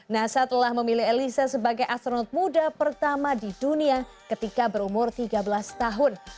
nasa telah memilih elisa sebagai astronot muda pertama di dunia ketika berumur tiga belas tahun